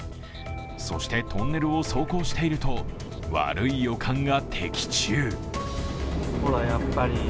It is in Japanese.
そしてトンネルを走行していると、悪い予感が的中。